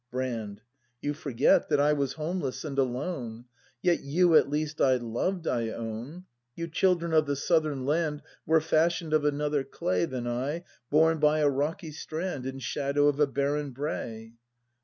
Brand. You forget That I was homeless and alone. Yet you at least I loved, I own. You children of the southern land Were fashion 'd of another clay Than I, born by a rocky strand In shadow of a barren brae.